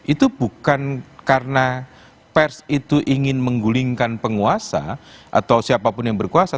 itu bukan karena pers itu ingin menggulingkan penguasa atau siapapun yang berkuasa